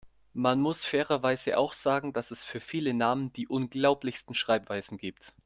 Man muss fairerweise auch sagen, dass es für viele Namen die unglaublichsten Schreibweisen gibt.